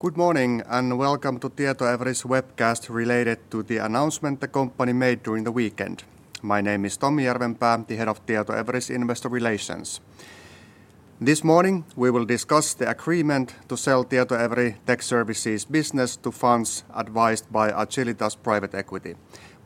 Good morning and welcome to Tietoevry's webcast related to the announcement the company made during the weekend. My name is Tommi Järvenpää, the Head of Tietoevry's Investor Relations. This morning we will discuss the agreement to sell Tietoevry Tech Services business to funds advised by Agilitas Private Equity.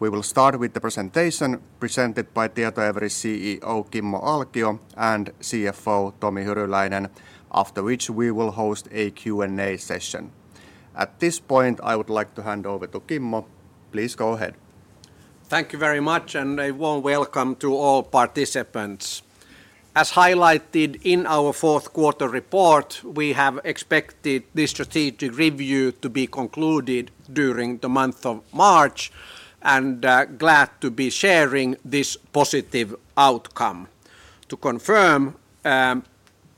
We will start with the presentation presented by Tietoevry's CEO Kimmo Alkio and CFO Tomi Hyryläinen, after which we will host a Q&A session. At this point, I would like to hand over to Kimmo. Please go ahead. Thank you very much and a warm welcome to all participants. As highlighted in our fourth quarter report, we have expected this strategic review to be concluded during the month of March and glad to be sharing this positive outcome. To confirm,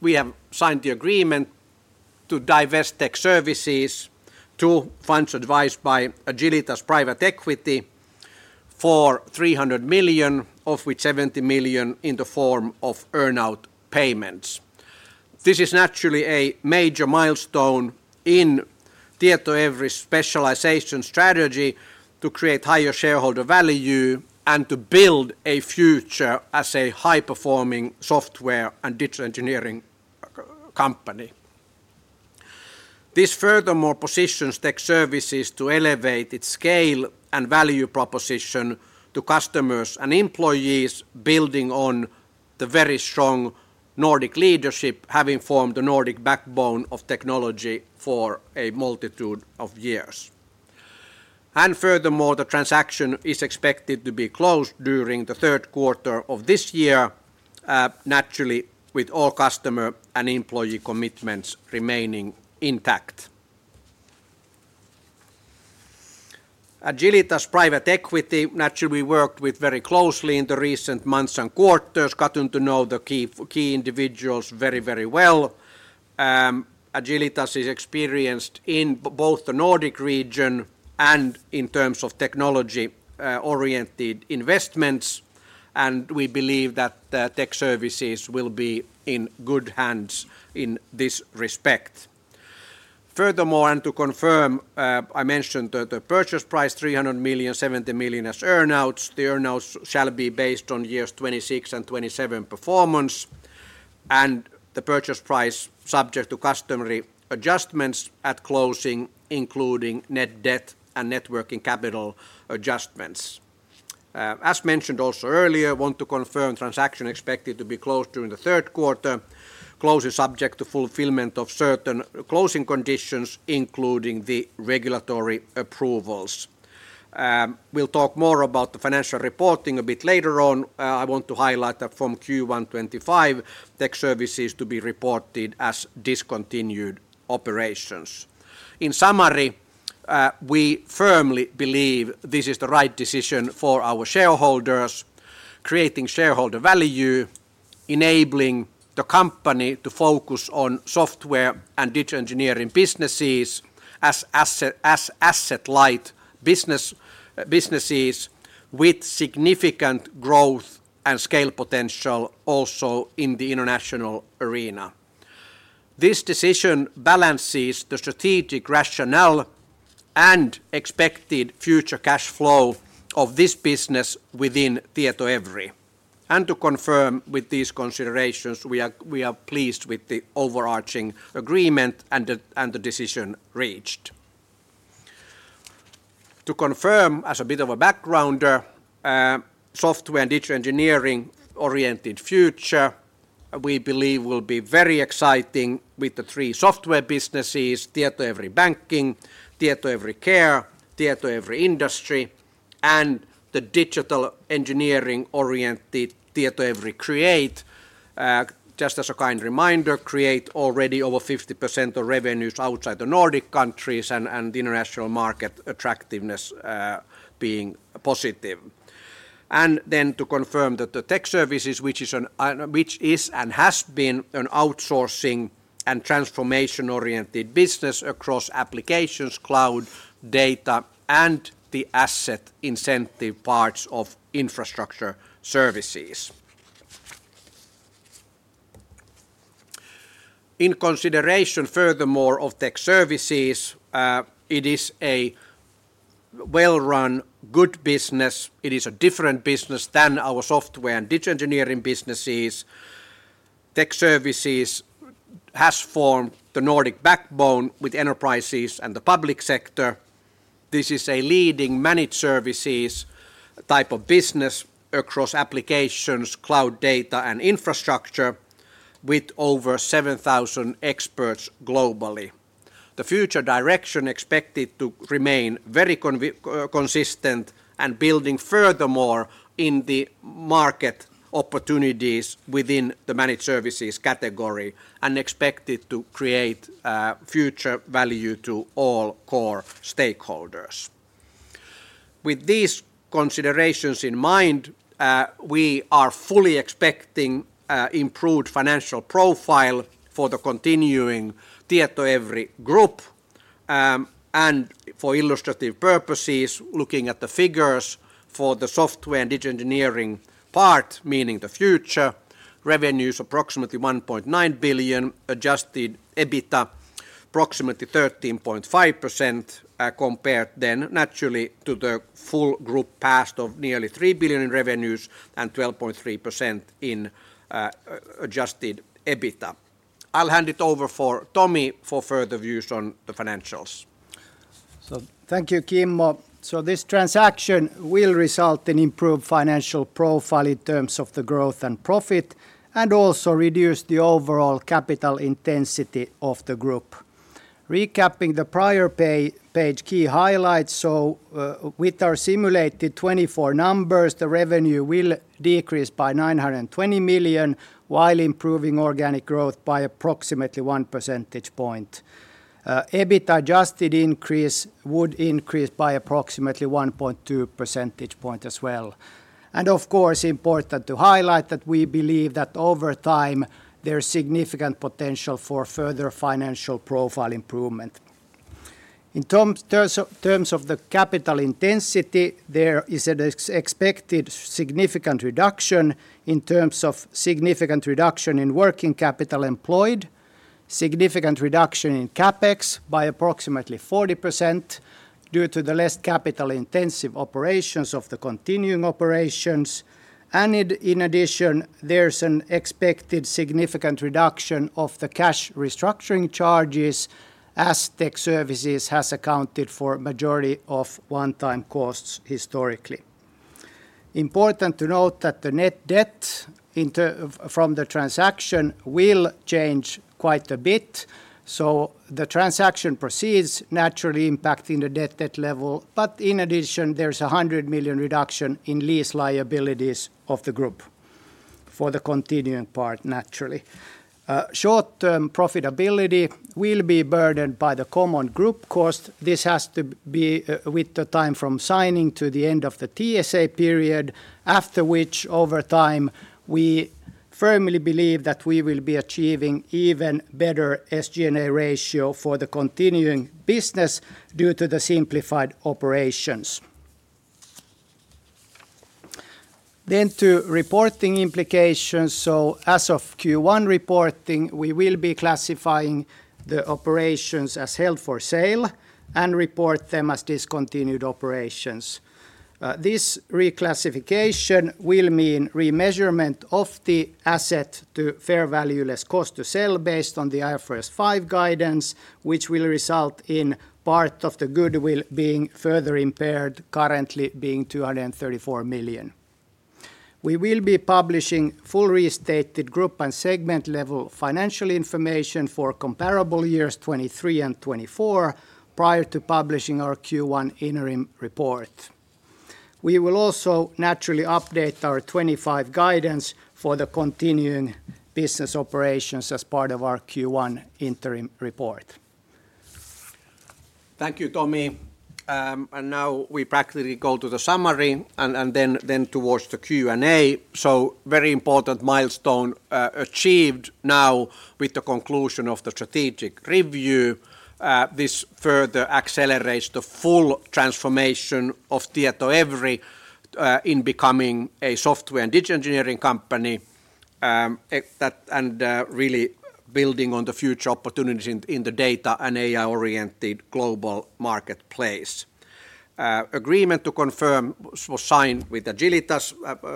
we have signed the agreement to divest Tech Services to funds advised by Agilitas Private Equity for 300 million, of which 70 million in the form of earn-out payments. This is naturally a major milestone in Tietoevry's specialization strategy to create higher shareholder value and to build a future as a high-performing software and digital engineering company. This furthermore positions Tech Services to elevate its scale and value proposition to customers and employees, building on the very strong Nordic leadership having formed the Nordic backbone of technology for a multitude of years. Furthermore, the transaction is expected to be closed during the third quarter of this year, naturally with all customer and employee commitments remaining intact. Agilitas Private Equity naturally worked with very closely in the recent months and quarters, gotten to know the key individuals very, very well. Agilitas is experienced in both the Nordic region and in terms of technology-oriented investments, and we believe that Tech Services will be in good hands in this respect. Furthermore, and to confirm, I mentioned that the purchase price 300 million, 70 million as earn-outs, the earn-outs shall be based on years 2026 and 2027 performance, and the purchase price subject to customary adjustments at closing, including net debt and net working capital adjustments. As mentioned also earlier, I want to confirm transaction expected to be closed during the third quarter, closing subject to fulfillment of certain closing conditions, including the regulatory approvals. We'll talk more about the financial reporting a bit later on. I want to highlight that from Q1 2025, Tech Services will be reported as discontinued operations. In summary, we firmly believe this is the right decision for our shareholders, creating shareholder value, enabling the company to focus on software and digital engineering businesses as asset-light businesses with significant growth and scale potential also in the international arena. This decision balances the strategic rationale and expected future cash flow of this business within Tietoevry. To confirm with these considerations, we are pleased with the overarching agreement and the decision reached. To confirm, as a bit of a background, software and digital engineering-oriented future we believe will be very exciting with the three software businesses: Tietoevry Banking, Tietoevry Care, Tietoevry Industry, and the digital engineering-oriented Tietoevry Create. Just as a kind reminder, Create already over 50% of revenues outside the Nordic countries and the international market attractiveness being positive. To confirm that the Tech Services, which is and has been an outsourcing and transformation-oriented business across applications, cloud, data, and the asset-intensive parts of infrastructure services. In consideration furthermore of Tech Services, it is a well-run good business. It is a different business than our software and digital engineering businesses. Tech services has formed the Nordic backbone with enterprises and the public sector. This is a leading managed services type of business across applications, cloud, data, and infrastructure with over 7,000 experts globally. The future direction expected to remain very consistent and building furthermore in the market opportunities within the managed services category and expected to create future value to all core stakeholders. With these considerations in mind, we are fully expecting improved financial profile for the continuing Tietoevry Group. For illustrative purposes, looking at the figures for the software and digital engineering part, meaning the future revenues approximately 1.9 billion, adjusted EBITDA approximately 13.5% compared then naturally to the full group past of nearly 3 billion in revenues and 12.3% in adjusted EBITDA. I'll hand it over for Tomi for further views on the financials. Thank you, Kimmo. This transaction will result in improved financial profile in terms of the growth and profit and also reduce the overall capital intensity of the group. Recapping the prior page, key highlights: with our simulated 2024 numbers, the revenue will decrease by 920 million while improving organic growth by approximately one percentage point. Adjusted EBITDA increase would increase by approximately 1.2 percentage point as well. Of course, important to highlight that we believe that over time there is significant potential for further financial profile improvement. In terms of the capital intensity, there is an expected significant reduction in terms of significant reduction in working capital employed, significant reduction in CapEx by approximately 40% due to the less capital intensive operations of the continuing operations. In addition, there is an expected significant reduction of the cash restructuring charges as Tech Services has accounted for the majority of one-time costs historically. Important to note that the net debt from the transaction will change quite a bit. The transaction proceeds naturally impacting the debt level, but in addition, there is a 100 million reduction in lease liabilities of the group for the continuing part naturally. Short-term profitability will be burdened by the common group cost. This has to be with the time from signing to the end of the TSA period, after which over time we firmly believe that we will be achieving even better SG&A ratio for the continuing business due to the simplified operations. To reporting implications. As of Q1 reporting, we will be classifying the operations as held for sale and report them as discontinued operations. This reclassification will mean remeasurement of the asset to fair value less cost to sell based on the IFRS 5 guidance, which will result in part of the goodwill being further impaired, currently being 234 million. We will be publishing full reinstated group and segment level financial information for comparable years 2023 and 2024 prior to publishing our Q1 interim report. We will also naturally update our 2025 guidance for the continuing business operations as part of our Q1 interim report. Thank you, Tomi. We practically go to the summary and then towards the Q&A. Very important milestone achieved now with the conclusion of the strategic review. This further accelerates the full transformation of Tietoevry in becoming a software and digital engineering company and really building on the future opportunities in the data and AI-oriented global marketplace. Agreement to confirm was signed with Agilitas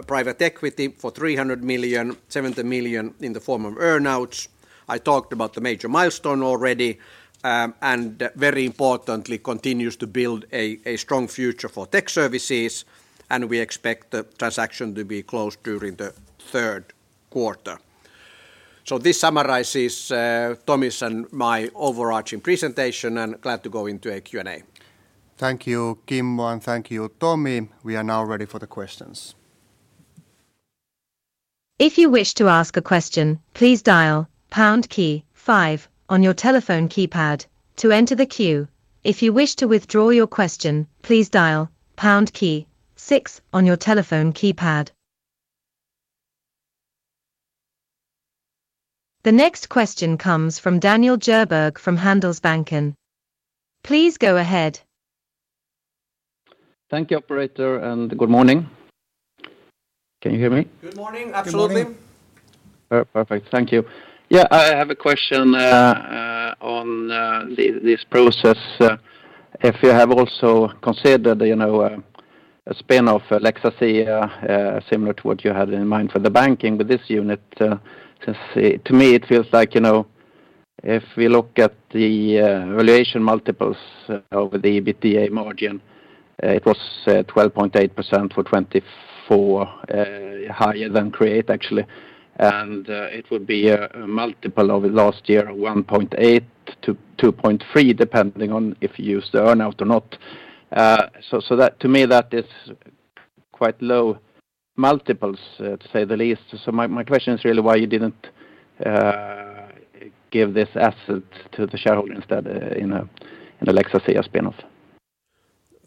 Private Equity for 300 million, 70 million in the form of earn-outs. I talked about the major milestone already and very importantly continues to build a strong future for Tech Services, and we expect the transaction to be closed during the third quarter. This summarizes Tomi's and my overarching presentation, and glad to go into a Q&A. Thank you, Kimmo, and thank you, Tomi. We are now ready for the questions. If you wish to ask a question, please dial pound key five on your telephone keypad to enter the queue. If you wish to withdraw your question, please dial pound key six on your telephone keypad. The next question comes from Daniel Djurberg from Handelsbanken. Please go ahead. Thank you, Operator, and good morning. Can you hear me? Good morning, absolutely. Perfect, thank you. Yeah, I have a question on this process. If you have also considered a spin-off, a Lex Asea, similar to what you had in mind for the banking with this unit, to me it feels like if we look at the valuation multiples over the EBITDA margin, it was 12.8% for 2024, higher than Create actually, and it would be a multiple of last year, 1.8-2.3, depending on if you use the earn-out or not. To me, that is quite low multiples, to say the least. My question is really why you did not give this asset to the shareholder instead in a Lex Asea spin-off.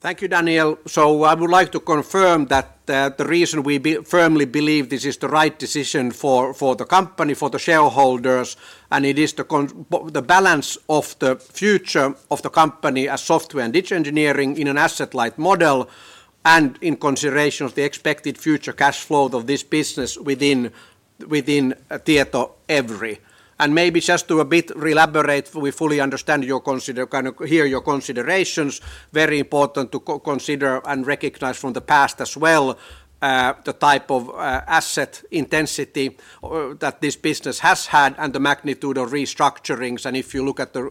Thank you, Daniel. I would like to confirm that the reason we firmly believe this is the right decision for the company, for the shareholders, and it is the balance of the future of the company as software and digital engineering in an asset-light model and in consideration of the expected future cash flow of this business within Tietoevry. Maybe just to a bit reelaborate, we fully understand your considerations, very important to consider and recognize from the past as well, the type of asset intensity that this business has had and the magnitude of restructurings. If you look at the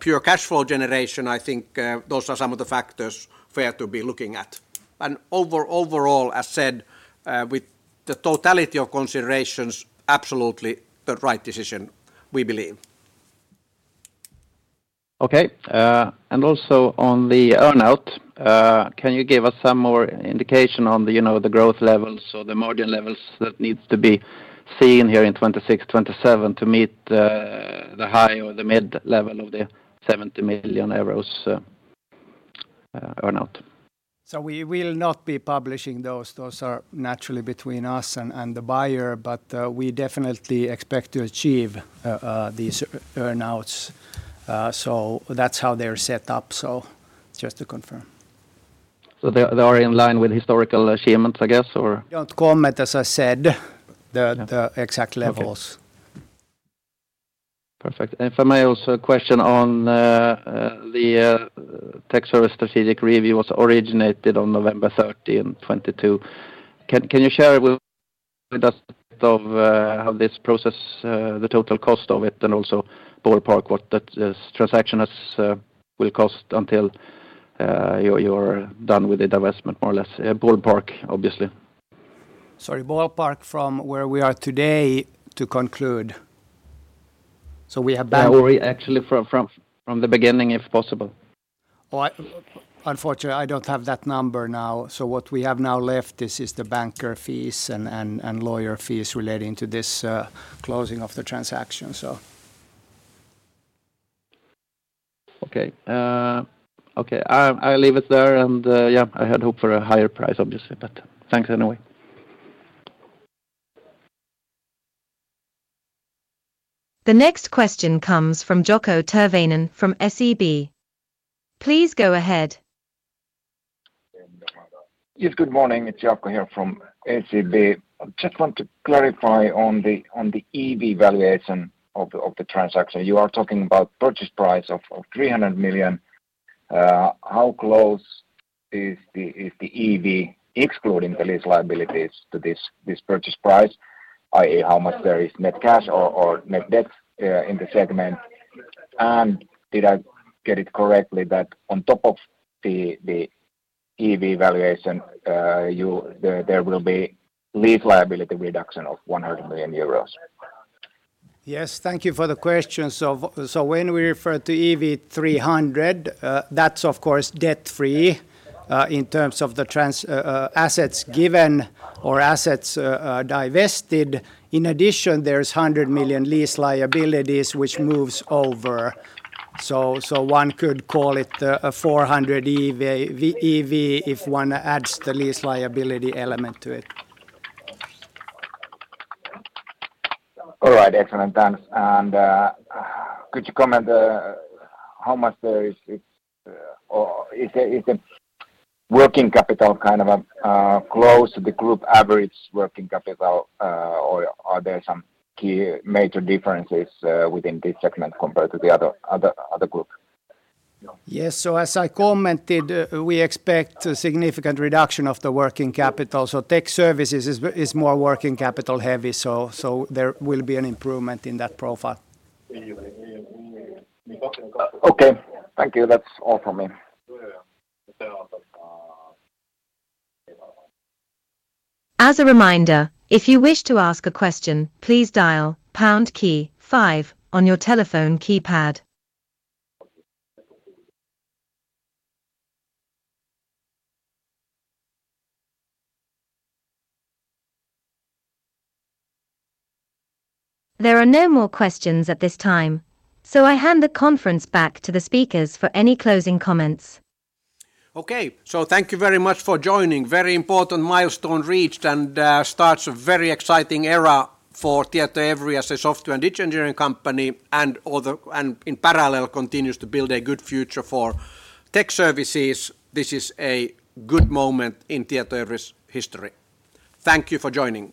pure cash flow generation, I think those are some of the factors fair to be looking at. Overall, as said, with the totality of considerations, absolutely the right decision, we believe. Okay. Also on the earn-out, can you give us some more indication on the growth levels or the margin levels that need to be seen here in 2026, 2027 to meet the high or the mid level of the 70 million euros earn-out? We will not be publishing those. Those are naturally between us and the buyer, but we definitely expect to achieve these earn-outs. That is how they are set up. Just to confirm. They are in line with historical achievements, I guess, or? Don't comment, as I said, the exact levels. Perfect. If I may also have a question on the tech service strategic review, which was originated on November 30, 2022. Can you share with us a bit of how this process, the total cost of it, and also ballpark what the transaction will cost until you're done with the divestment, more or less, ballpark, obviously? Sorry, ballpark from where we are today to conclude. Way back. Yeah, actually from the beginning, if possible. Unfortunately, I don't have that number now. What we have now left is the banker fees and lawyer fees relating to this closing of the transaction. Okay. Okay, I'll leave it there. Yeah, I had hoped for a higher price, obviously, but thanks anyway. The next question comes from Jaakko Tyrväinen from SEB. Please go ahead. Yes, good morning. It's Jaakko here from SEB. I just want to clarify on the EV valuation of the transaction. You are talking about purchase price of 300 million. How close is the EV, excluding the lease liabilities, to this purchase price, i.e., how much there is net cash or net debt in the segment? Did I get it correctly that on top of the EV valuation, there will be lease liability reduction of 100 million euros? Yes, thank you for the question. When we refer to EV 300, that's of course debt-free in terms of the assets given or assets divested. In addition, there's 100 million lease liabilities, which moves over. One could call it a 400 million EV if one adds the lease liability element to it. All right, excellent answer. Could you comment how much there is, is the working capital kind of close to the group average working capital, or are there some key major differences within this segment compared to the other group? Yes, as I commented, we expect significant reduction of the working capital. Tech Services is more working capital heavy, so there will be an improvement in that profile. Okay, thank you. That's all from me. As a reminder, if you wish to ask a question, please dial pound key five on your telephone keypad. There are no more questions at this time, so I hand the conference back to the speakers for any closing comments. Okay, thank you very much for joining. Very important milestone reached and starts a very exciting era for Tietoevry as a software and digital engineering company and in parallel continues to build a good future for Tech Services. This is a good moment in Tietoevry's history. Thank you for joining.